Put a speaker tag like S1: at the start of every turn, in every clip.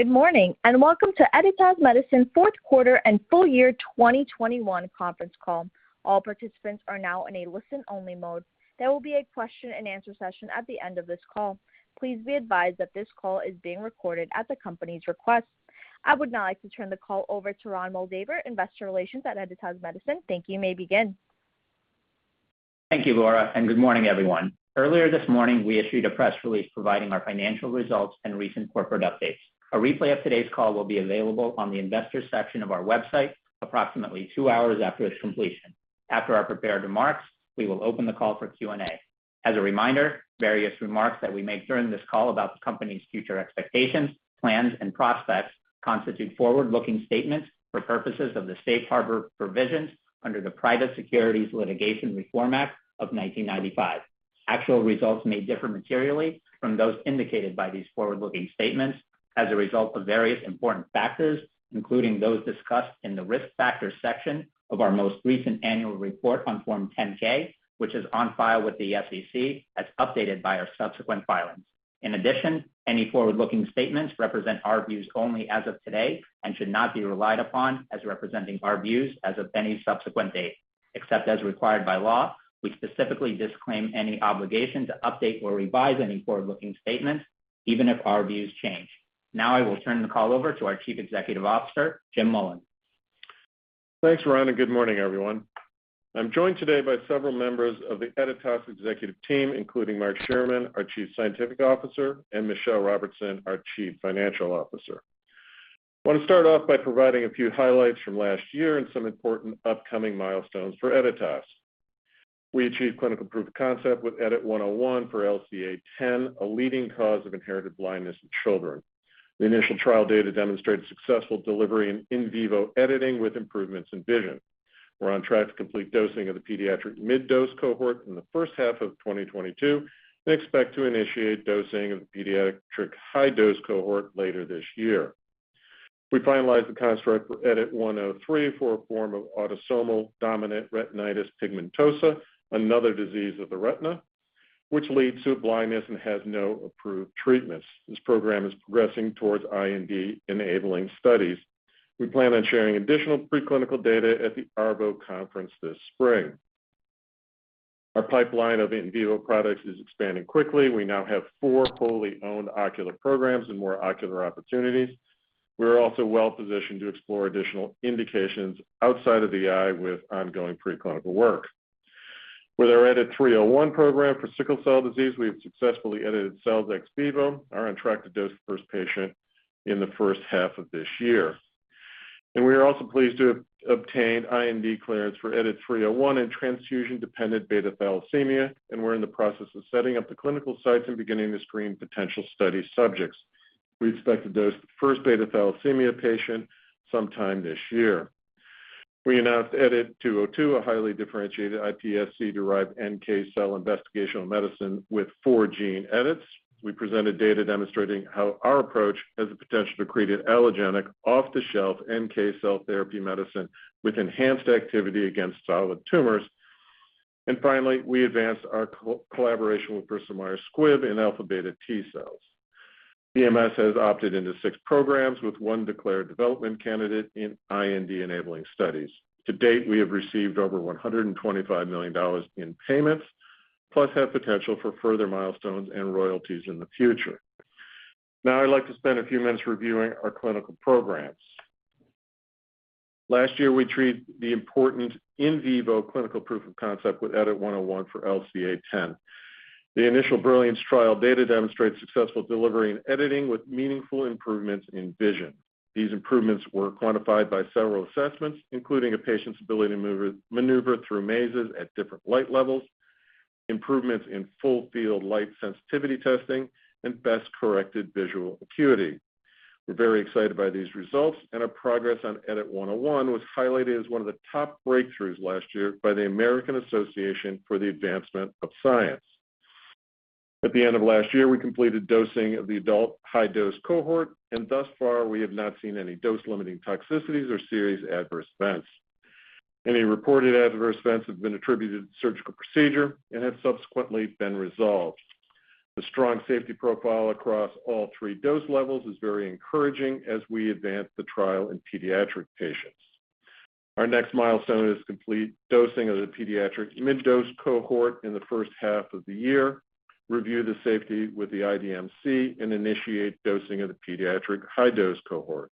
S1: Good morning, and welcome to Editas Medicine fourth quarter and full year 2021 conference call. All participants are now in a listen-only mode. There will be a question-and-answer session at the end of this call. Please be advised that this call is being recorded at the company's request. I would now like to turn the call over to Ron Moldaver, Investor Relations at Editas Medicine. Thank you. You may begin.
S2: Thank you, Laura, and good morning, everyone. Earlier this morning, we issued a press release providing our financial results and recent corporate updates. A replay of today's call will be available on the Investors section of our website approximately two hours after its completion. After our prepared remarks, we will open the call for Q&A. As a reminder, various remarks that we make during this call about the company's future expectations, plans and prospects constitute forward-looking statements for purposes of the safe harbor provisions under the Private Securities Litigation Reform Act of 1995. Actual results may differ materially from those indicated by these forward-looking statements as a result of various important factors, including those discussed in the Risk Factors section of our most recent annual report on Form 10-K, which is on file with the SEC, as updated by our subsequent filings. In addition, any forward-looking statements represent our views only as of today and should not be relied upon as representing our views as of any subsequent date. Except as required by law, we specifically disclaim any obligation to update or revise any forward-looking statements, even if our views change. Now I will turn the call over to our Chief Executive Officer, Jim Mullen.
S3: Thanks, Ron, and good morning, everyone. I'm joined today by several members of the Editas executive team, including Mark Shearman, our Chief Scientific Officer, and Michelle Robertson, our Chief Financial Officer. I want to start off by providing a few highlights from last year and some important upcoming milestones for Editas. We achieved clinical proof of concept with EDIT-101 for LCA10, a leading cause of inherited blindness in children. The initial trial data demonstrated successful delivery and in Vivo editing with improvements in vision. We're on track to complete dosing of the pediatric mid-dose cohort in the first half of 2022 and expect to initiate dosing of the pediatric high-dose cohort later this year. We finalized the construct for EDIT-103 for a form of autosomal dominant retinitis pigmentosa, another disease of the retina, which leads to blindness and has no approved treatments. This program is progressing towards IND-enabling studies. We plan on sharing additional preclinical data at the ARVO conference this spring. Our pipeline of in Vivo products is expanding quickly. We now have four fully owned ocular programs and more ocular opportunities. We are also well positioned to explore additional indications outside of the eye with ongoing preclinical work. With our EDIT-301 program for sickle cell disease, we have successfully edited cells ex Vivo. We are on track to dose the first patient in the first half of this year. We are also pleased to obtain IND clearance for EDIT-301 in transfusion-dependent beta thalassemia, and we're in the process of setting up the clinical sites and beginning to screen potential study subjects. We expect to dose the first beta thalassemia patient sometime this year. We announced EDIT-202, a highly differentiated iPSC-derived NK cell investigational medicine with four gene edits. We presented data demonstrating how our approach has the potential to create an allogeneic off-the-shelf NK cell therapy medicine with enhanced activity against solid tumors. Finally, we advanced our collaboration with Bristol Myers Squibb in alpha beta T-cells. BMS has opted into six programs with one declared development candidate in IND-enabling studies. To date, we have received over $125 million in payments plus have potential for further milestones and royalties in the future. Now, I'd like to spend a few minutes reviewing our clinical programs. Last year, we achieved the important in vivo clinical proof of concept with EDIT-101 for LCA10. The initial BRILLIANCE trial data demonstrates successful delivery and editing with meaningful improvements in vision. These improvements were quantified by several assessments, including a patient's ability to maneuver through mazes at different light levels, improvements in full field light sensitivity testing, and best corrected visual acuity. We're very excited by these results, and our progress on EDIT-101 was highlighted as one of the top breakthroughs last year by the American Association for the Advancement of Science. At the end of last year, we completed dosing of the adult high-dose cohort, and thus far we have not seen any dose-limiting toxicities or serious adverse events. Any reported adverse events have been attributed to surgical procedure and have subsequently been resolved. The strong safety profile across all three dose levels is very encouraging as we advance the trial in pediatric patients. Our next milestone is complete dosing of the pediatric mid-dose cohort in the first half of the year, review the safety with the IDMC, and initiate dosing of the pediatric high-dose cohort.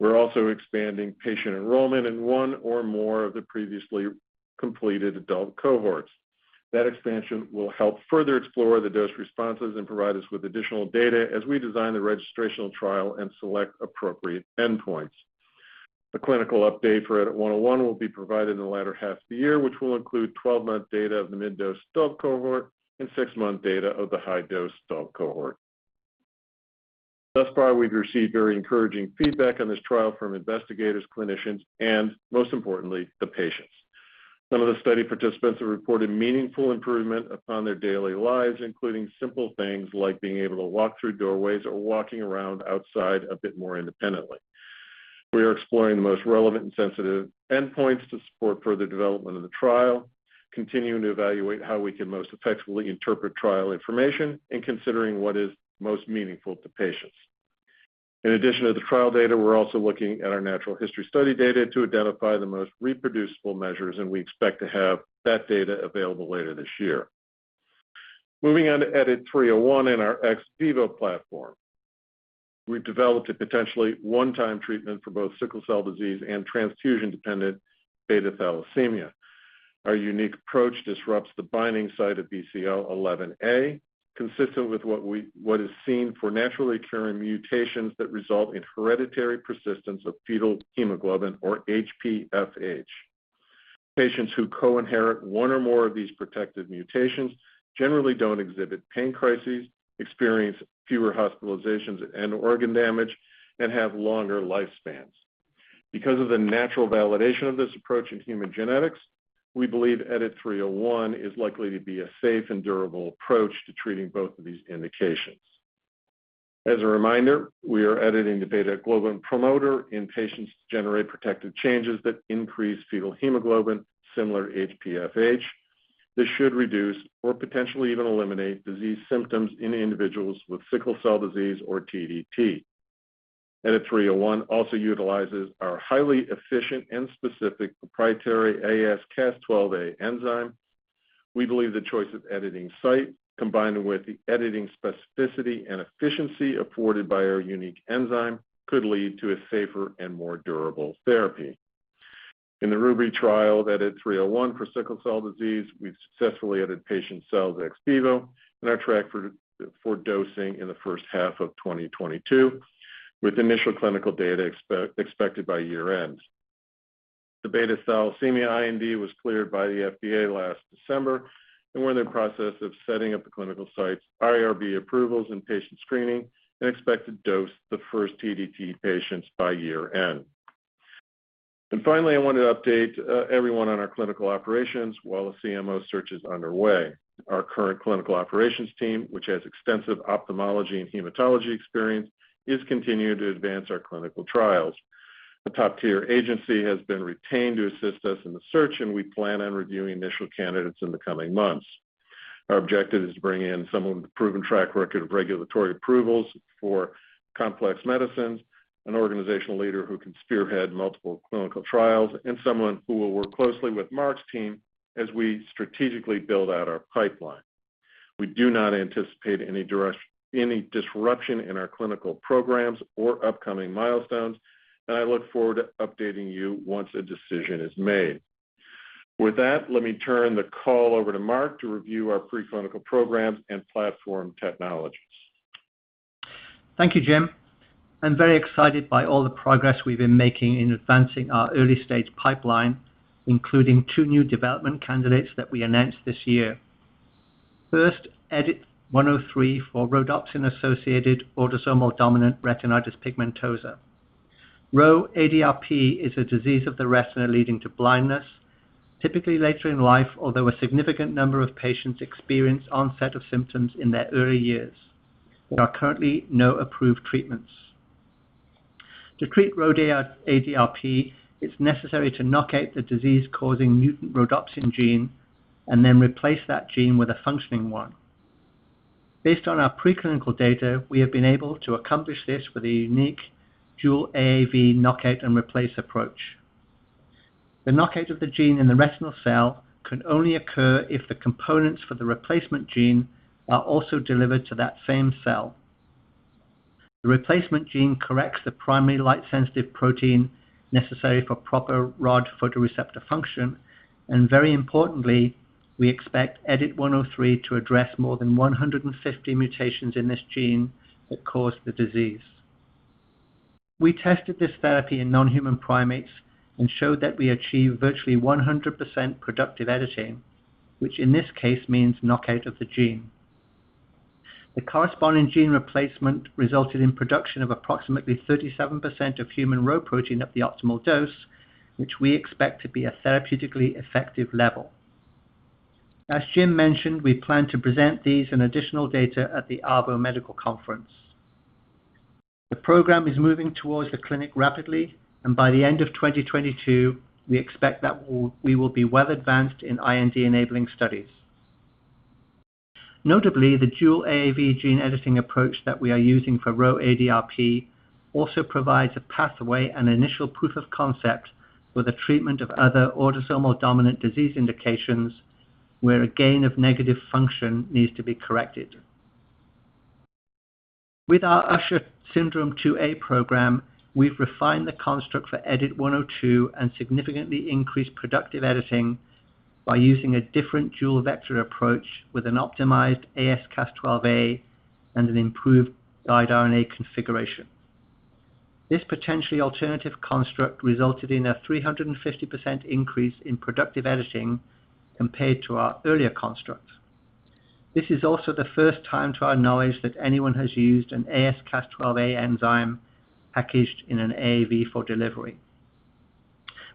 S3: We're also expanding patient enrollment in one or more of the previously completed adult cohorts. That expansion will help further explore the dose responses and provide us with additional data as we design the registrational trial and select appropriate endpoints. A clinical update for EDIT-101 will be provided in the latter half of the year, which will include 12-month data of the mid-dose adult cohort and six month data of the high-dose adult cohort. Thus far, we've received very encouraging feedback on this trial from investigators, clinicians, and most importantly, the patients. Some of the study participants have reported meaningful improvement upon their daily lives, including simple things like being able to walk through doorways or walking around outside a bit more independently. We are exploring the most relevant and sensitive endpoints to support further development of the trial, continuing to evaluate how we can most effectively interpret trial information, and considering what is most meaningful to patients. In addition to the trial data, we're also looking at our natural history study data to identify the most reproducible measures, and we expect to have that data available later this year. Moving on to EDIT-301 in our ex Vivo platform. We've developed a potentially one-time treatment for both sickle cell disease and transfusion-dependent beta thalassemia. Our unique approach disrupts the binding site of BCL11A, consistent with what is seen for naturally occurring mutations that result in hereditary persistence of fetal hemoglobin or HPFH. Patients who co-inherit one or more of these protective mutations generally don't exhibit pain crises, experience fewer hospitalizations and organ damage, and have longer lifespans. Because of the natural validation of this approach in human genetics, we believe EDIT-301 is likely to be a safe and durable approach to treating both of these indications. As a reminder, we are editing the beta globin promoter in patients to generate protective changes that increase fetal hemoglobin similar to HPFH. This should reduce or potentially even eliminate disease symptoms in individuals with sickle cell disease or TDT. EDIT-301 also utilizes our highly efficient and specific proprietary AsCas12a enzyme. We believe the choice of editing site, combined with the editing specificity and efficiency afforded by our unique enzyme, could lead to a safer and more durable therapy. In the RUBY trial of EDIT-301 for sickle cell disease, we've successfully edited patient cells ex vivo and are on track for dosing in the first half of 2022, with initial clinical data expected by year-end. The beta thalassemia IND was cleared by the FDA last December, and we're in the process of setting up the clinical sites, IRB approvals, and patient screening, and expect to dose the first TDT patients by year-end. Finally, I want to update everyone on our clinical operations while the CMO search is underway. Our current clinical operations team, which has extensive ophthalmology and hematology experience, is continuing to advance our clinical trials. A top-tier agency has been retained to assist us in the search, and we plan on reviewing initial candidates in the coming months. Our objective is to bring in someone with a proven track record of regulatory approvals for complex medicines, an organizational leader who can spearhead multiple clinical trials, and someone who will work closely with Mark's team as we strategically build out our pipeline. We do not anticipate any disruption in our clinical programs or upcoming milestones, and I look forward to updating you once a decision is made. With that, let me turn the call over to Mark to review our preclinical programs and platform technologies.
S4: Thank you, Jim. I'm very excited by all the progress we've been making in advancing our early-stage pipeline, including two new development candidates that we announced this year. First, EDIT-103 for Rhodopsin-mediated autosomal dominant retinitis pigmentosa. RHO-adRP is a disease of the retina leading to blindness, typically later in life, although a significant number of patients experience onset of symptoms in their early years. There are currently no approved treatments. To treat RHO-adRP, it's necessary to knock out the disease-causing mutant rhodopsin gene and then replace that gene with a functioning one. Based on our preclinical data, we have been able to accomplish this with a unique dual AAV knockout and replace approach. The knockout of the gene in the retinal cell can only occur if the components for the replacement gene are also delivered to that same cell. The replacement gene corrects the primary light-sensitive protein necessary for proper rod photoreceptor function, and very importantly, we expect EDIT-103 to address more than 150 mutations in this gene that cause the disease. We tested this therapy in non-human primates and showed that we achieve virtually 100% productive editing, which in this case means knockout of the gene. The corresponding gene replacement resulted in production of approximately 37% of human rho protein at the optimal dose, which we expect to be a therapeutically effective level. As Jim mentioned, we plan to present these and additional data at the ARVO medical conference. The program is moving towards the clinic rapidly, and by the end of 2022, we expect that we will be well advanced in IND-enabling studies. Notably, the dual AAV gene editing approach that we are using for RHO-adRP also provides a pathway and initial proof of concept for the treatment of other autosomal dominant disease indications where a gain of negative function needs to be corrected. With our Usher Syndrome 2A program, we've refined the construct for EDIT-102 and significantly increased productive editing by using a different dual vector approach with an optimized AsCas12a and an improved guide RNA configuration. This potentially alternative construct resulted in a 350% increase in productive editing compared to our earlier construct. This is also the first time to our knowledge that anyone has used an AsCas12a enzyme packaged in an AAV for delivery.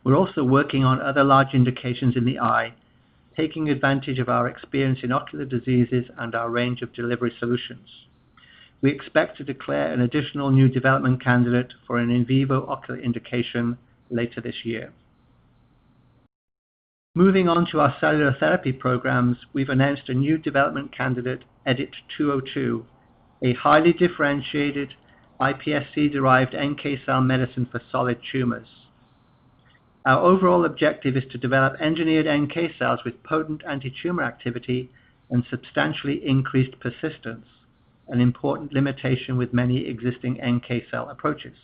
S4: We're also working on other large indications in the eye, taking advantage of our experience in ocular diseases and our range of delivery solutions. We expect to declare an additional new development candidate for an in Vivo ocular indication later this year. Moving on to our cellular therapy programs, we've announced a new development candidate, EDIT-202, a highly differentiated iPSC-derived NK cell medicine for solid tumors. Our overall objective is to develop engineered NK cells with potent antitumor activity and substantially increased persistence, an important limitation with many existing NK cell approaches.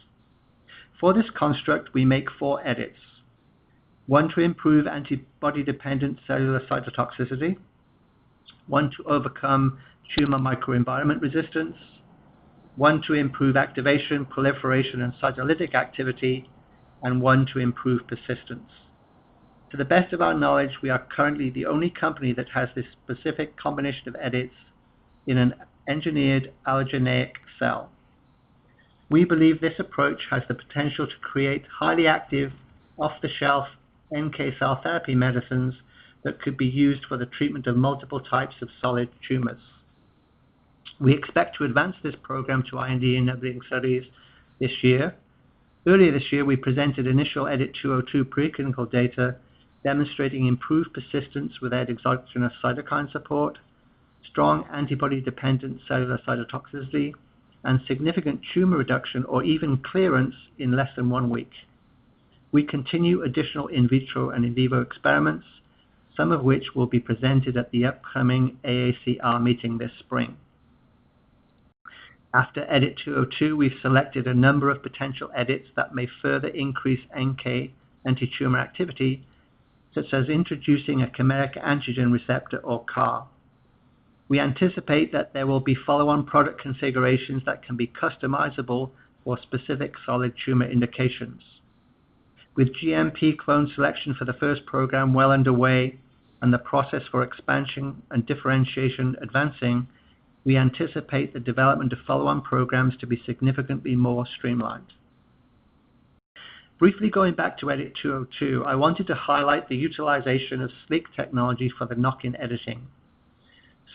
S4: For this construct, we make four edits, one to improve antibody-dependent cellular cytotoxicity, one to overcome tumor microenvironment resistance, one to improve activation, proliferation, and cytolytic activity, and one to improve persistence. To the best of our knowledge, we are currently the only company that has this specific combination of edits in an engineered allogeneic cell. We believe this approach has the potential to create highly active, off-the-shelf NK cell therapy medicines that could be used for the treatment of multiple types of solid tumors. We expect to advance this program to IND-enabling studies this year. Earlier this year, we presented initial EDIT-202 preclinical data demonstrating improved persistence with an exogenous cytokine support, strong antibody-dependent cellular cytotoxicity, and significant tumor reduction or even clearance in less than one week. We continue additional in vitro and in Vivo experiments, some of which will be presented at the upcoming AACR meeting this spring. After EDIT-202, we've selected a number of potential edits that may further increase NK antitumor activity, such as introducing a chimeric antigen receptor or CAR. We anticipate that there will be follow-on product configurations that can be customizable for specific solid tumor indications. With GMP clone selection for the first program well underway and the process for expansion and differentiation advancing, we anticipate the development of follow-on programs to be significantly more streamlined. Briefly going back to EDIT-202, I wanted to highlight the utilization of SLEEK technology for the knock-in editing.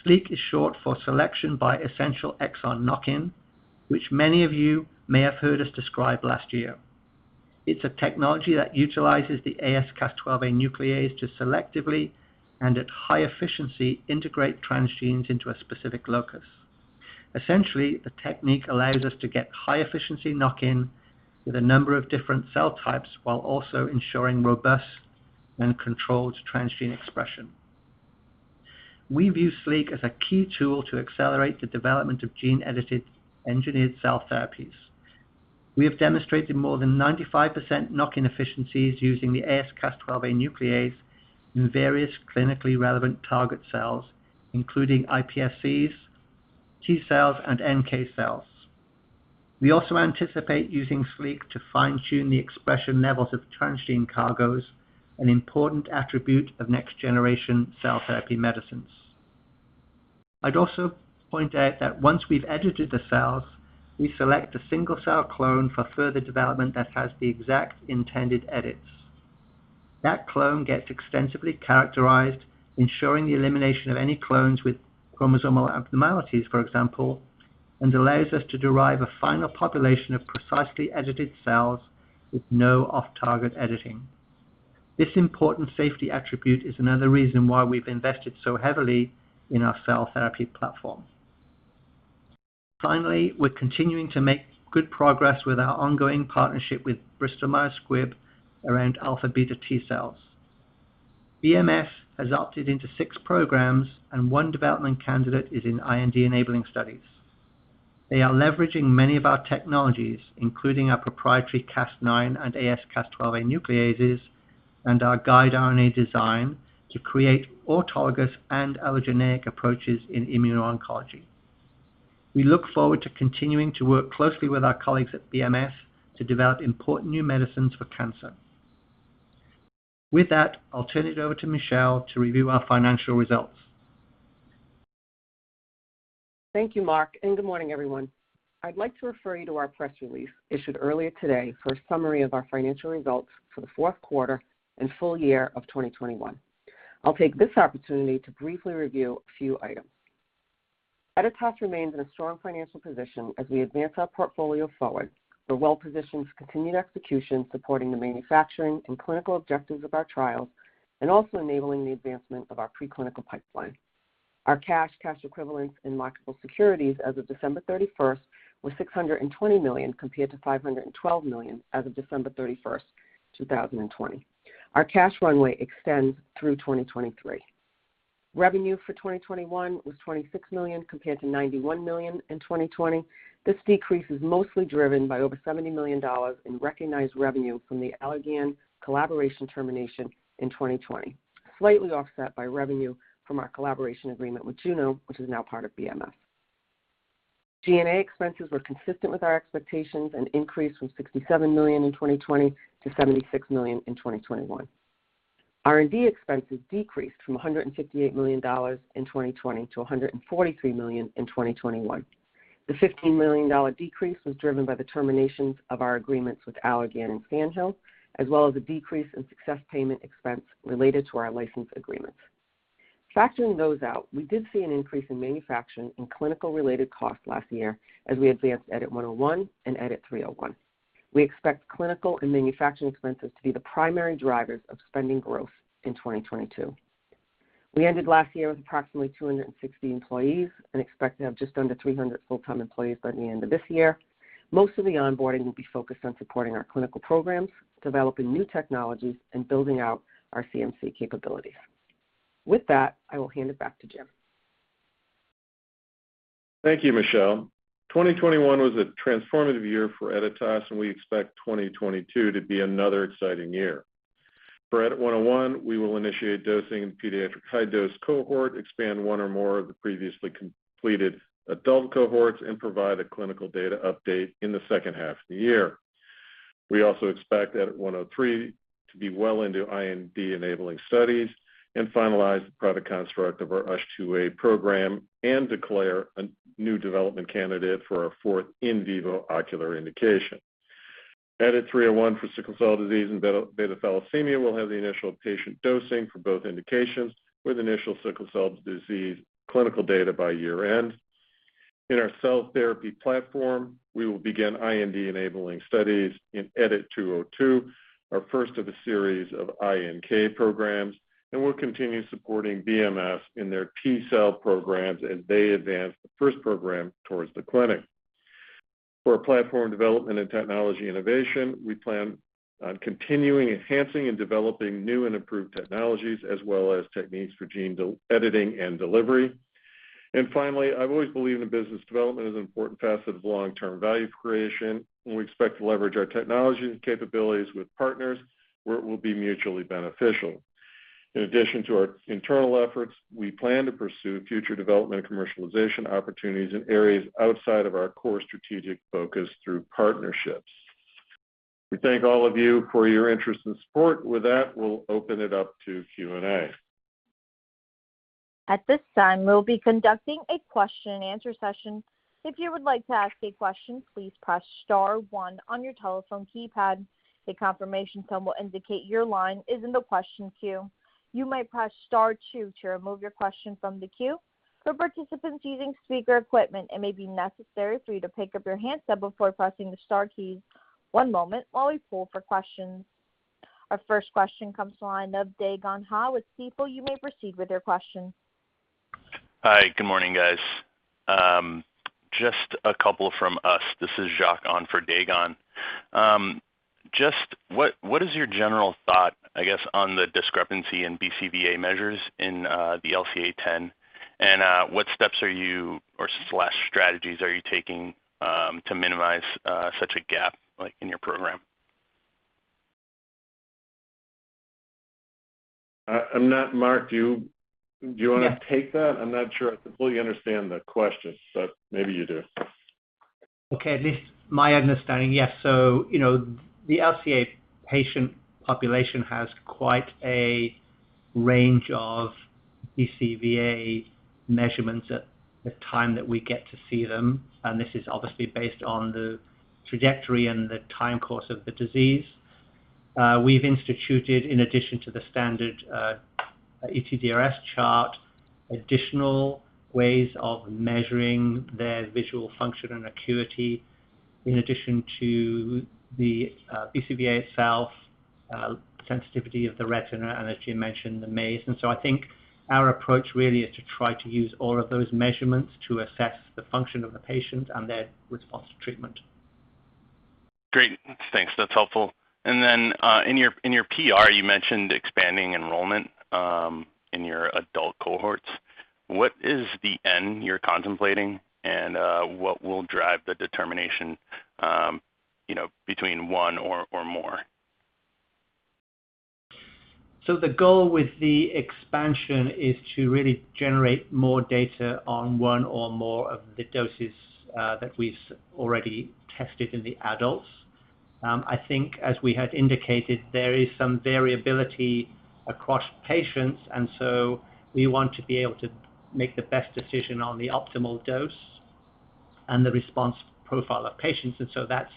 S4: SLEEK is short for Selection by Essential-gene Exon Knock-in, which many of you may have heard us describe last year. It's a technology that utilizes the AsCas12a nuclease to selectively and at high efficiency integrate transgenes into a specific locus. Essentially, the technique allows us to get high efficiency knock-in with a number of different cell types while also ensuring robust and controlled transgene expression. We view SLEEK as a key tool to accelerate the development of gene-edited engineered cell therapies. We have demonstrated more than 95% knock-in efficiencies using the AsCas12a nuclease in various clinically relevant target cells, including iPSCs, T-cells, and NK cells. We also anticipate using SLEEK to fine-tune the expression levels of transgene cargoes, an important attribute of next-generation cell therapy medicines. I'd also point out that once we've edited the cells, we select a single-cell clone for further development that has the exact intended edits. That clone gets extensively characterized, ensuring the elimination of any clones with chromosomal abnormalities, for example, and allows us to derive a final population of precisely edited cells with no off-target editing. This important safety attribute is another reason why we've invested so heavily in our cell therapy platform. Finally, we're continuing to make good progress with our ongoing partnership with Bristol Myers Squibb around alpha/beta T-cells. BMS has opted into six programs, and one development candidate is in IND-enabling studies. They are leveraging many of our technologies, including our proprietary Cas9 and AsCas12a nucleases and our guide RNA design to create autologous and allogeneic approaches in immuno-oncology. We look forward to continuing to work closely with our colleagues at BMS to develop important new medicines for cancer. With that, I'll turn it over to Michelle to review our financial results.
S5: Thank you, Mark, and good morning, everyone. I'd like to refer you to our press release issued earlier today for a summary of our financial results for the fourth quarter and full year of 2021. I'll take this opportunity to briefly review a few items. Editas remains in a strong financial position as we advance our portfolio forward. We're well-positioned for continued execution, supporting the manufacturing and clinical objectives of our trials and also enabling the advancement of our preclinical pipeline. Our cash equivalents, and marketable securities as of December 31st was $620 million, compared to $512 million as of December 31st, 2020. Our cash runway extends through 2023. Revenue for 2021 was $26 million compared to $91 million in 2020. This decrease is mostly driven by over $70 million in recognized revenue from the Allergan collaboration termination in 2020, slightly offset by revenue from our collaboration agreement with Juno, which is now part of BMS. G&A expenses were consistent with our expectations and increased from $67 million in 2020 to $76 million in 2021.
S4: R&D expenses decreased from $158 million in 2020 to $143 million in 2021. The $15 million decrease was driven by the terminations of our agreements with Allergan and Sandhill, as well as a decrease in success payment expense related to our license agreements. Factoring those out, we did see an increase in manufacturing and clinical related costs last year as we advanced EDIT-101 and EDIT-301. We expect clinical and manufacturing expenses to be the primary drivers of spending growth in 2022. We ended last year with approximately 260 employees and expect to have just under 300 full-time employees by the end of this year. Most of the onboarding will be focused on supporting our clinical programs, developing new technologies, and building out our CMC capabilities. With that, I will hand it back to Jim.
S3: Thank you, Michelle. 2021 was a transformative year for Editas, and we expect 2022 to be another exciting year. For EDIT-101, we will initiate dosing in pediatric high-dose cohort, expand one or more of the previously completed adult cohorts, and provide a clinical data update in the second half of the year. We also expect EDIT-103 to be well into IND-enabling studies and finalize the product construct of our USH2A program and declare a new development candidate for our fourth in vivo ocular indication. EDIT-301 for sickle cell disease and beta-thalassemia will have the initial patient dosing for both indications, with initial sickle cell disease clinical data by year-end. In our cell therapy platform, we will begin IND-enabling studies in EDIT-202, our first of a series of iNK programs, and we'll continue supporting BMS in their T-cell programs as they advance the first program towards the clinic. For our platform development and technology innovation, we plan on continuing enhancing and developing new and improved technologies as well as techniques for gene editing and delivery. Finally, I've always believed that business development is an important facet of long-term value creation, and we expect to leverage our technology capabilities with partners where it will be mutually beneficial. In addition to our internal efforts, we plan to pursue future development and commercialization opportunities in areas outside of our core strategic focus through partnerships. We thank all of you for your interest and support. With that, we'll open it up to Q&A.
S1: At this time, we'll be conducting a question and answer session. If you would like to ask a question, please press star one on your telephone keypad. A confirmation tone will indicate your line is in the question queue. You may press star two to remove your question from the queue. For participants using speaker equipment, it may be necessary for you to pick up your handset before pressing the star keys. One moment while we poll for questions. Our first question comes to the line of Dae Gon Ha with Stifel. You may proceed with your question.
S6: Hi. Good morning, guys. Just a couple from us. This is Jacque on for Dae Gon Ha. Just what is your general thought, I guess, on the discrepancy in BCVA measures in the LCA10? What steps or strategies are you taking to minimize such a gap, like, in your program?
S3: I'm not Mathew.
S4: Yes.
S3: Do you wanna take that? I'm not sure I completely understand the question, but maybe you do.
S4: Okay. At least my understanding, yes. You know, the LCA patient population has quite a range of BCVA measurements at the time that we get to see them, and this is obviously based on the trajectory and the time course of the disease. We've instituted, in addition to the standard ETDRS chart, additional ways of measuring their visual function and acuity in addition to the BCVA itself, sensitivity of the retina, and as you mentioned, the maze. I think our approach really is to try to use all of those measurements to assess the function of the patient and their response to treatment.
S6: Great. Thanks. That's helpful. In your PR, you mentioned expanding enrollment in your adult cohorts. What is the end you're contemplating? What will drive the determination, you know, between one or more?
S4: The goal with the expansion is to really generate more data on one or more of the doses that we've already tested in the adults. I think as we had indicated, there is some variability across patients, and so we want to be able to make the best decision on the optimal dose and the response profile of patients. That's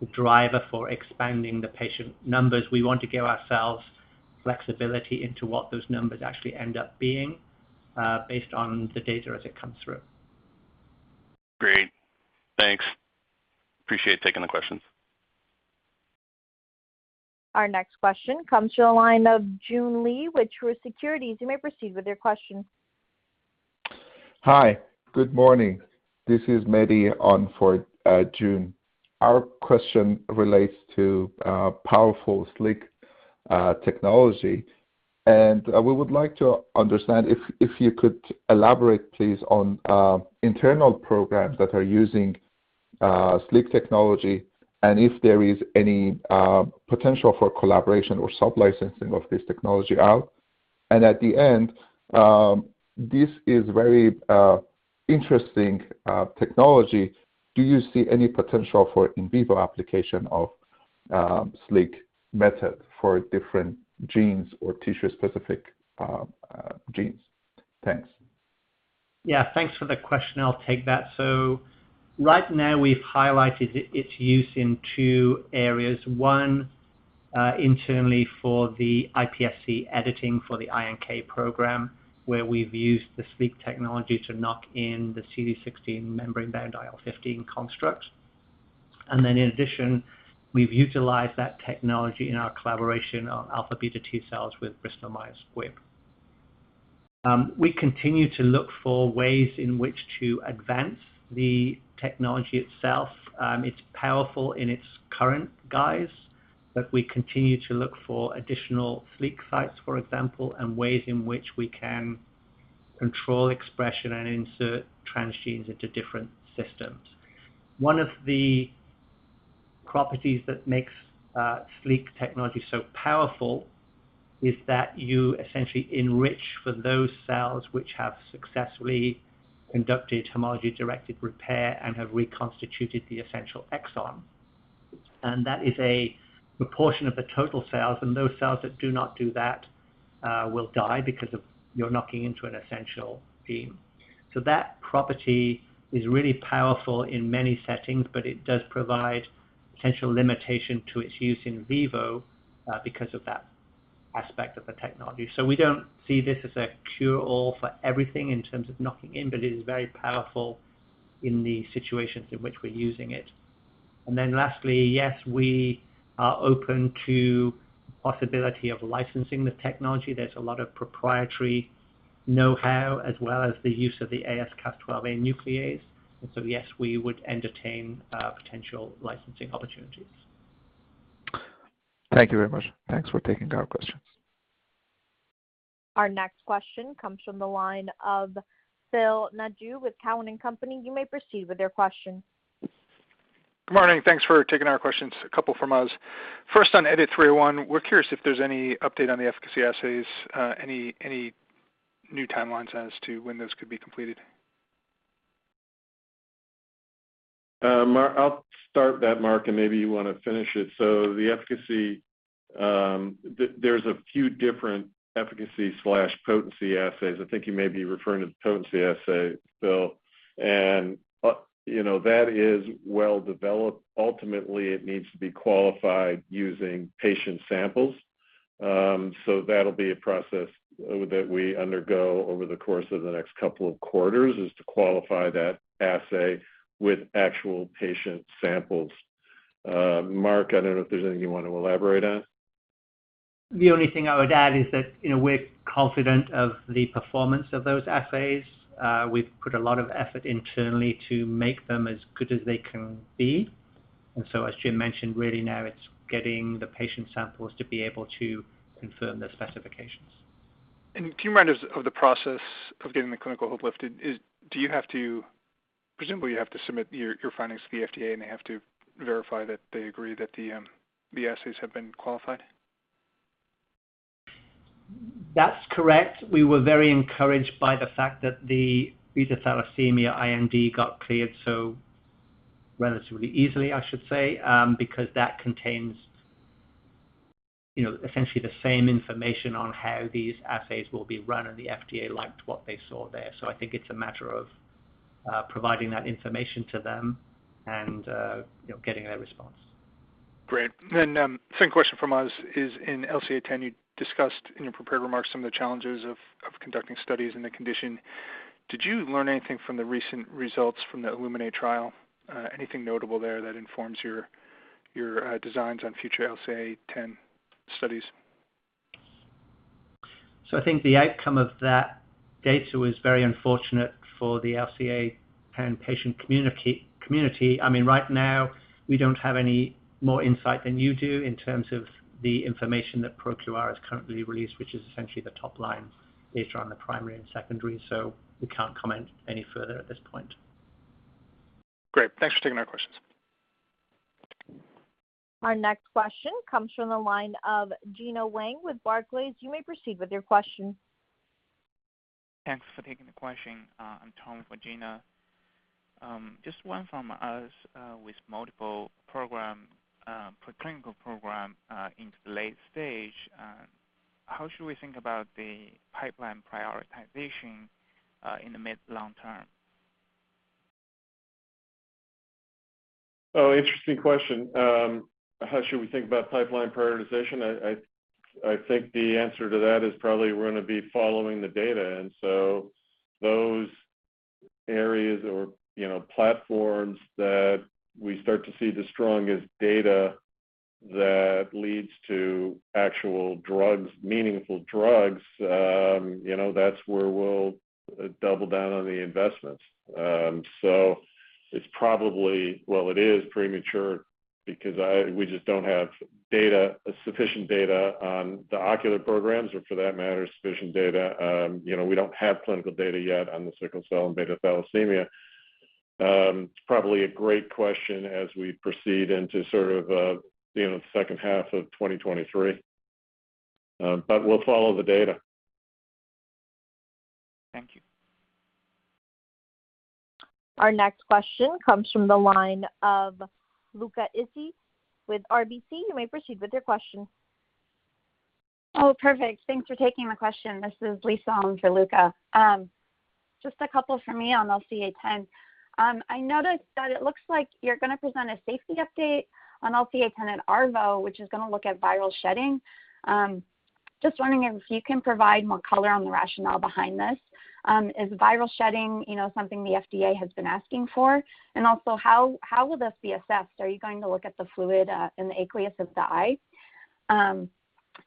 S4: the driver for expanding the patient numbers. We want to give ourselves flexibility into what those numbers actually end up being, based on the data as it comes through.
S6: Great. Thanks. I appreciate taking the questions.
S1: Our next question comes to the line of Joon Lee with Truist Securities. You may proceed with your question.
S7: Hi. Good morning. This is Mehdi on for Joon. Our question relates to powerful SLEEK technology. We would like to understand if you could elaborate, please, on internal programs that are using SLEEK technology and if there is any potential for collaboration or sub-licensing of this technology out. At the end, this is very interesting technology. Do you see any potential for in vivo application of SLEEK method for different genes or tissue-specific genes? Thanks.
S4: Yeah. Thanks for the question. I'll take that. Right now, we've highlighted its use in two areas. One, internally for the iPSC editing for the iNK program, where we've used the SLEEK technology to knock in the CD16 membrane-bound IL-15 construct. Then in addition, we've utilized that technology in our collaboration on alpha beta T-cells with Bristol Myers Squibb. We continue to look for ways in which to advance the technology itself. It's powerful in its current guise, but we continue to look for additional SLEEK sites, for example, and ways in which we can control expression and insert transgenes into different systems. One of the properties that makes SLEEK technology so powerful is that you essentially enrich for those cells which have successfully conducted homology-directed repair and have reconstituted the essential exon. That is a proportion of the total cells, and those cells that do not do that will die because of you're knocking into an essential gene. That property is really powerful in many settings, but it does provide potential limitation to its use in Vivo because of that aspect of the technology. We don't see this as a cure-all for everything in terms of knocking in, but it is very powerful in the situations in which we're using it. Then lastly, yes, we are open to possibility of licensing the technology. There's a lot of proprietary know-how as well as the use of the AsCas12a nuclease. Yes, we would entertain potential licensing opportunities.
S7: Thank you very much. Thanks for taking our questions.
S1: Our next question comes from the line of Phil Nadeau with Cowen and Company. You may proceed with your question.
S8: Good morning. Thanks for taking our questions, a couple from us. First, on EDIT-301, we're curious if there's any update on the efficacy assays, any new timelines as to when those could be completed.
S3: I'll start that, Mark, and maybe you wanna finish it. The efficacy, there's a few different efficacy/potency assays. I think you may be referring to the potency assay, Phil. You know, that is well developed. Ultimately, it needs to be qualified using patient samples. That'll be a process that we undergo over the course of the next couple of quarters, is to qualify that assay with actual patient samples. Mark, I don't know if there's anything you want to elaborate on.
S4: The only thing I would add is that, you know, we're confident of the performance of those assays. We've put a lot of effort internally to make them as good as they can be. As Jim mentioned, really now it's getting the patient samples to be able to confirm the specifications.
S8: Can you remind us of the process of getting the clinical hold lifted? Do you have to, presumably, submit your findings to the FDA, and they have to verify that they agree that the assays have been qualified?
S4: That's correct. We were very encouraged by the fact that the beta thalassemia IND got cleared so relatively easily, I should say, because that contains, you know, essentially the same information on how these assays will be run, and the FDA liked what they saw there. I think it's a matter of providing that information to them and, you know, getting their response.
S8: Great. Second question from us is in LCA10, you discussed in your prepared remarks some of the challenges of conducting studies in the condition. Did you learn anything from the recent results from the ILLUMINATE trial? Anything notable there that informs your designs on future LCA10 studies?
S4: I think the outcome of that data was very unfortunate for the LCA10 patient community. I mean, right now, we don't have any more insight than you do in terms of the information that ProQR has currently released, which is essentially the top line data on the primary and secondary. We can't comment any further at this point.
S8: Great. Thanks for taking our questions.
S1: Our next question comes from the line of Gena Wang with Barclays. You may proceed with your question.
S9: Thanks for taking the question. I'm Tom for Gena. Just one from us, with multiple preclinical programs into the late stage, how should we think about the pipeline prioritization in the mid- to long-term?
S3: Oh, interesting question. How should we think about pipeline prioritization? I think the answer to that is probably we're gonna be following the data. Those areas or, you know, platforms that we start to see the strongest data that leads to actual drugs, meaningful drugs, you know, that's where we'll double down on the investments. It's probably, well, it is premature because we just don't have data, sufficient data on the ocular programs or for that matter, sufficient data, you know, we don't have clinical data yet on the sickle cell and beta thalassemia. It's probably a great question as we proceed into sort of, you know, the second half of 2023. We'll follow the data.
S4: Thank you.
S1: Our next question comes from the line of Luca Issi with RBC. You may proceed with your question.
S10: Oh, perfect. Thanks for taking my question. This is Lisa on for Luca Issi. Just a couple for me on LCA10. I noticed that it looks like you're gonna present a safety update on LCA10 at ARVO, which is gonna look at viral shedding. Just wondering if you can provide more color on the rationale behind this. Is viral shedding, you know, something the FDA has been asking for? And also how will this be assessed? Are you going to look at the fluid in the aqueous of the eye?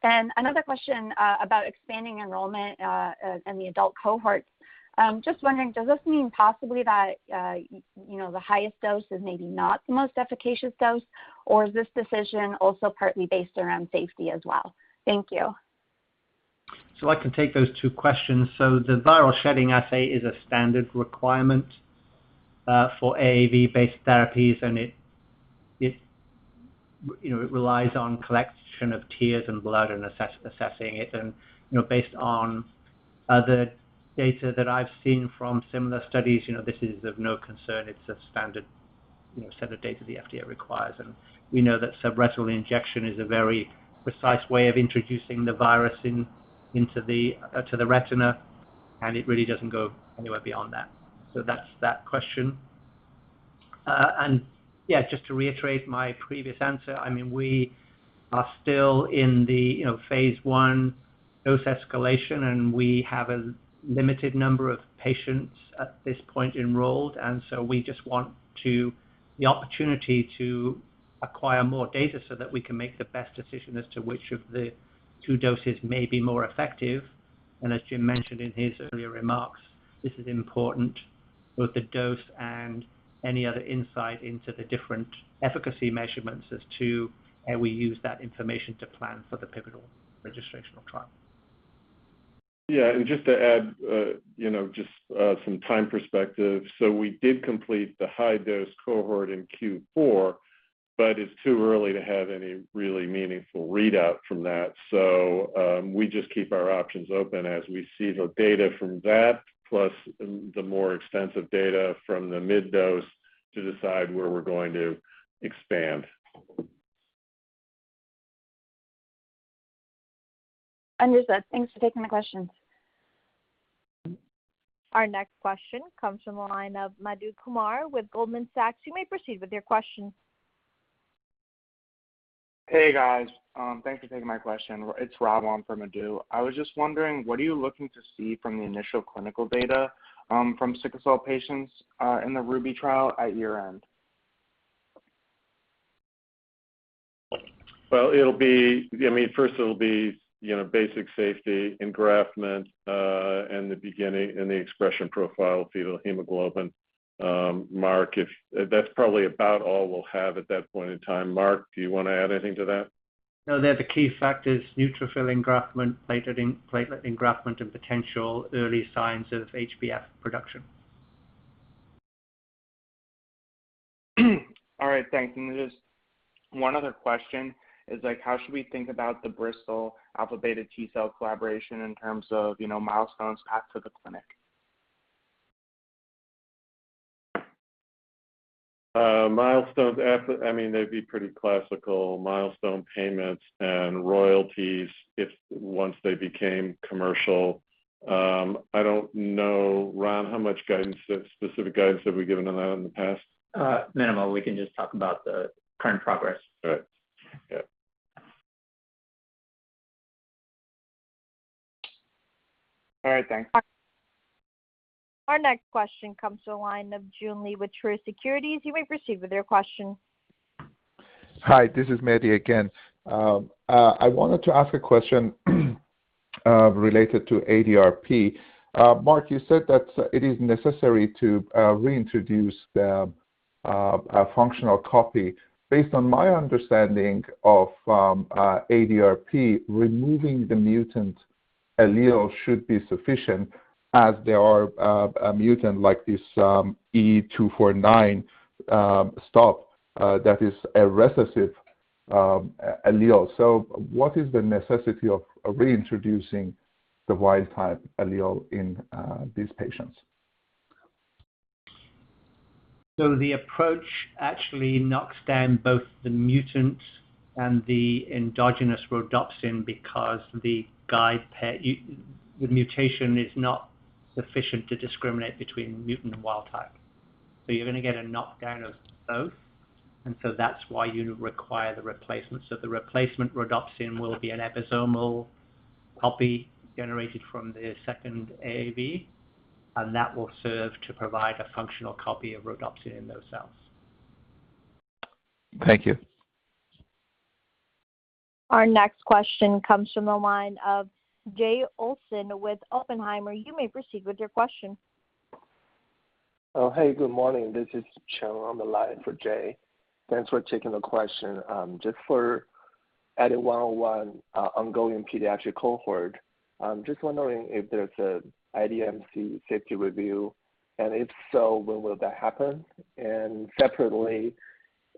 S10: And another question about expanding enrollment and the adult cohort. Just wondering, does this mean possibly that, you know, the highest dose is maybe not the most efficacious dose, or is this decision also partly based around safety as well? Thank you.
S4: I can take those two questions. The viral shedding assay is a standard requirement for AAV-based therapies, and it relies on collection of tears and blood and assessing it. You know, based on other data that I've seen from similar studies, you know, this is of no concern. It's a standard set of data the FDA requires. We know that subretinal injection is a very precise way of introducing the virus into the retina, and it really doesn't go anywhere beyond that. That's that question. Yeah, just to reiterate my previous answer, I mean, we are still in the phase I dose escalation, and we have a limited number of patients at this point enrolled. We just want the opportunity to acquire more data so that we can make the best decision as to which of the two doses may be more effective. As Jim mentioned in his earlier remarks, this is important, both the dose and any other insight into the different efficacy measurements as to how we use that information to plan for the pivotal registrational trial.
S3: Yeah. Just to add, you know, just some time perspective. We did complete the high-dose cohort in Q4, but it's too early to have any really meaningful readout from that. We just keep our options open as we see the data from that, plus the more extensive data from the mid-dose to decide where we're going to expand.
S10: Understood. Thanks for taking the questions.
S1: Our next question comes from the line of Madhu Kumar with Goldman Sachs. You may proceed with your question.
S11: Hey, guys. Thanks for taking my question. It's Rob on for Madhu. I was just wondering, what are you looking to see from the initial clinical data, from sickle cell patients, in the RUBY trial at year-end?
S3: Well, I mean, first it'll be, you know, basic safety engraftment in the beginning, in the expression profile fetal hemoglobin. Mark, that's probably about all we'll have at that point in time. Mark, do you wanna add anything to that?
S4: No, they're the key factors, neutrophil engraftment, platelet engraftment, and potential early signs of HBF production.
S11: All right. Thanks. Just one other question is, like, how should we think about the Bristol alpha beta T-cell collaboration in terms of, you know, milestones path to the clinic?
S3: I mean, they'd be pretty classical milestone payments and royalties if once they became commercial. I don't know. Ron, how much guidance, specific guidance have we given on that in the past?
S11: Minimal. We can just talk about the current progress.
S3: All right. Yeah.
S11: All right. Thanks.
S1: Our next question comes to the line of Joon Lee with Truist Securities. You may proceed with your question.
S7: Hi, this is Mehdi again. I wanted to ask a question related to ADRP. Mark, you said that it is necessary to reintroduce a functional copy. Based on my understanding of ADRP, removing the mutant allele should be sufficient as there are a mutant like this, E249 stop, that is a recessive allele. What is the necessity of reintroducing the wild type allele in these patients?
S4: The approach actually knocks down both the mutant and the endogenous rhodopsin because the guide pair, the mutation is not sufficient to discriminate between mutant and wild type. You're gonna get a knockdown of both, and so that's why you require the replacement. The replacement rhodopsin will be an episomal copy generated from the second AAV, and that will serve to provide a functional copy of rhodopsin in those cells.
S7: Thank you.
S1: Our next question comes from the line of Jay Olson with Oppenheimer. You may proceed with your question.
S12: This is Cheng on the line for Jay. Thanks for taking the question. Just for EDIT-101 ongoing pediatric cohort, I'm just wondering if there's an IDMC safety review, and if so, when will that happen? And separately,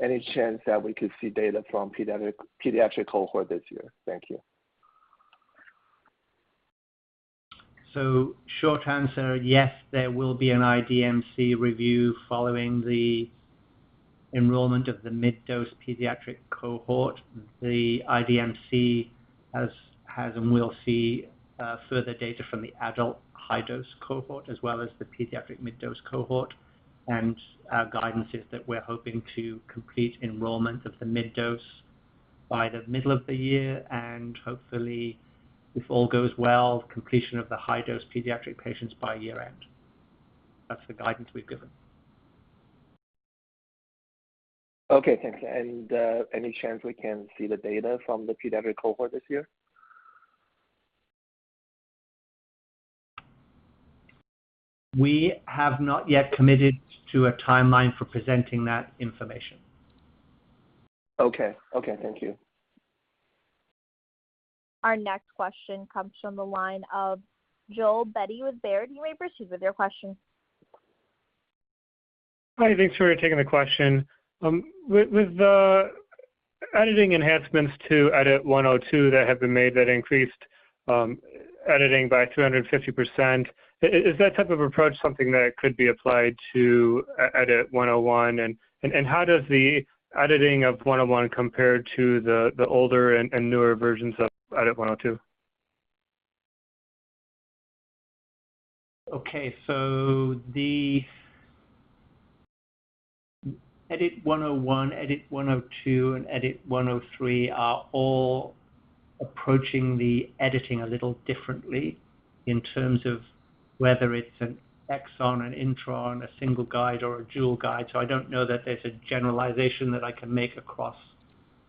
S12: any chance that we could see data from pediatric cohort this year? Thank you.
S4: Short answer, yes, there will be an IDMC review following the enrollment of the mid-dose pediatric cohort. The IDMC has and will see further data from the adult high-dose cohort as well as the pediatric mid-dose cohort. Our guidance is that we're hoping to complete enrollment of the mid-dose by the middle of the year, and hopefully, if all goes well, completion of the high-dose pediatric patients by year-end. That's the guidance we've given.
S12: Okay, thanks. Any chance we can see the data from the pediatric cohort this year?
S4: We have not yet committed to a timeline for presenting that information.
S12: Okay, thank you.
S1: Our next question comes from the line of Joel Beatty with Baird. You may proceed with your question.
S13: Hi, thanks for taking the question. With the editing enhancements to EDIT-102 that have been made that increased editing by 250%, is that type of approach something that could be applied to EDIT-101? How does the editing of EDIT-101 compare to the older and newer versions of EDIT-102?
S4: Okay. The EDIT-101, EDIT-102, and EDIT-103 are all approaching the editing a little differently in terms of whether it's an exon, an intron, a single guide, or a dual guide. I don't know that there's a generalization that I can make across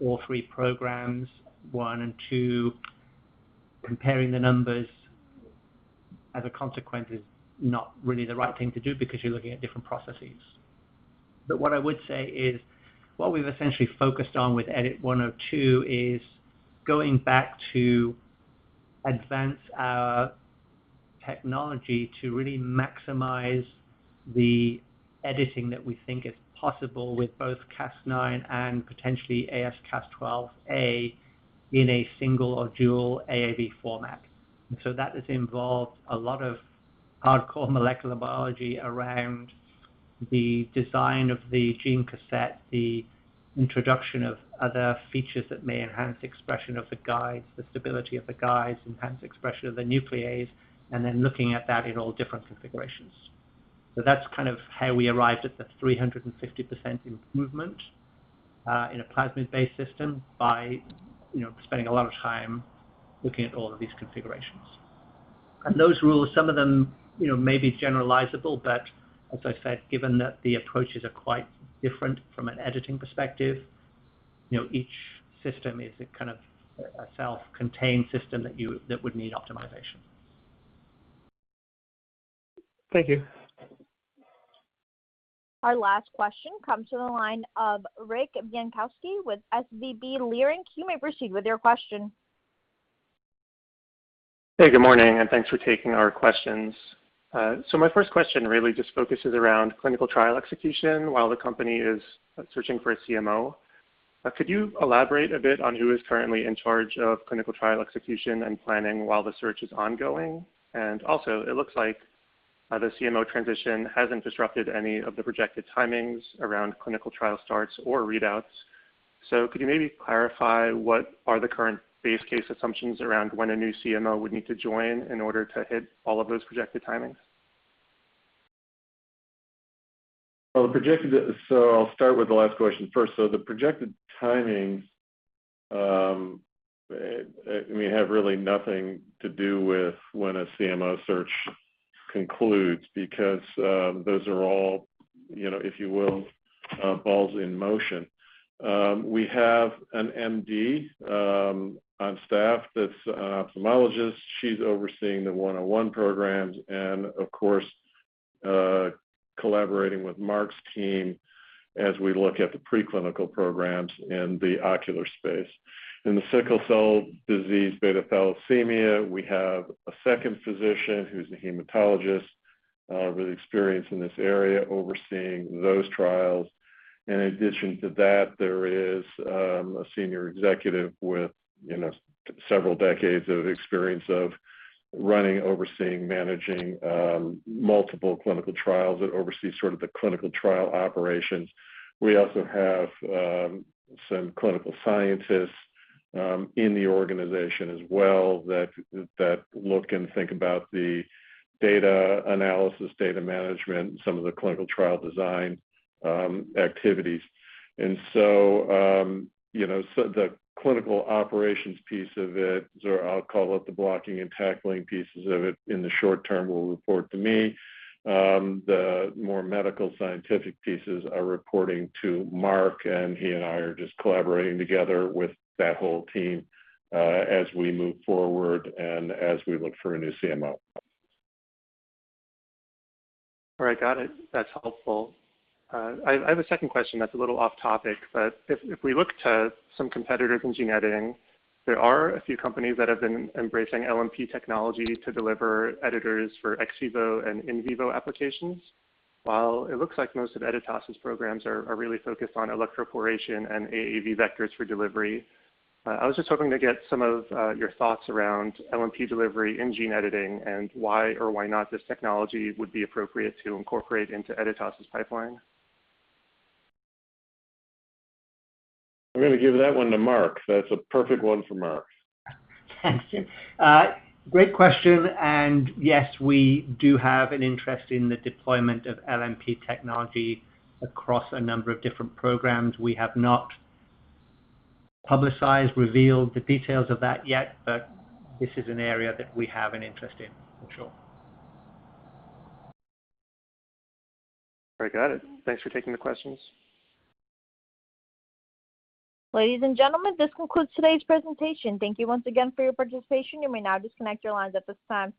S4: all three programs, one and two. Comparing the numbers as a consequence is not really the right thing to do because you're looking at different processes. What I would say is, what we've essentially focused on with EDIT-102 is going back to advance our technology to really maximize the editing that we think is possible with both Cas9 and potentially AsCas12a in a single or dual AAV format. That has involved a lot of hardcore molecular biology around the design of the gene cassette, the introduction of other features that may enhance expression of the guides, the stability of the guides, enhance expression of the nuclease, and then looking at that in all different configurations. That's kind of how we arrived at the 350% improvement in a plasmid-based system by, you know, spending a lot of time looking at all of these configurations. Those rules, some of them, you know, may be generalizable, but as I said, given that the approaches are quite different from an editing perspective, you know, each system is a kind of a self-contained system that would need optimization.
S13: Thank you.
S1: Our last question comes from the line of Rick Bienkowski with SVB Leerink. You may proceed with your question.
S14: Hey, good morning, and thanks for taking our questions. My first question really just focuses around clinical trial execution while the company is searching for a CMO. Could you elaborate a bit on who is currently in charge of clinical trial execution and planning while the search is ongoing? It looks like the CMO transition hasn't disrupted any of the projected timings around clinical trial starts or readouts. Could you maybe clarify what are the current base case assumptions around when a new CMO would need to join in order to hit all of those projected timings?
S3: I'll start with the last question first. The projected timings may have really nothing to do with when a CMO search concludes because those are all, you know, if you will, balls in motion. We have an MD on staff that's an ophthalmologist. She's overseeing the 101 programs and, of course, collaborating with Mark's team as we look at the preclinical programs in the ocular space. In the sickle cell disease beta thalassemia, we have a second physician who's a hematologist with experience in this area overseeing those trials. In addition to that, there is a senior executive with, you know, several decades of experience of running, overseeing, managing multiple clinical trials that oversee sort of the clinical trial operations. We also have some clinical scientists in the organization as well, that look and think about the data analysis, data management, some of the clinical trial design activities. You know, the clinical operations piece of it, or I'll call it the blocking and tackling pieces of it, in the short term, will report to me. The more medical scientific pieces are reporting to Mark, and he and I are just collaborating together with that whole team, as we move forward and as we look for a new CMO.
S14: All right. Got it. That's helpful. I have a second question that's a little off topic, but if we look to some competitors in gene editing, there are a few companies that have been embracing LNP technology to deliver editors for ex Vivo and in Vivo applications. While it looks like most of Editas' programs are really focused on electroporation and AAV vectors for delivery. I was just hoping to get some of your thoughts around LNP delivery in gene editing and why or why not this technology would be appropriate to incorporate into Editas' pipeline.
S3: I'm gonna give that one to Mark. That's a perfect one for Mark.
S4: Thanks. Great question, and yes, we do have an interest in the deployment of LNP technology across a number of different programs. We have not publicized, revealed the details of that yet, but this is an area that we have an interest in for sure.
S14: All right. Got it. Thanks for taking the questions.
S1: Ladies and gentlemen, this concludes today's presentation. Thank you once again for your participation. You may now disconnect your lines at this time.